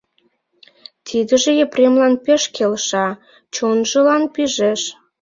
Тидыже Епремлан пеш келша, чонжылан пижеш.